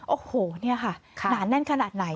โอ้โหเนี่ยค่ะหนาแน่นขนาดไหน